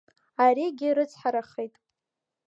Аригьы рыцҳарахеит.